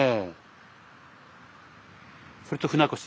それと船越。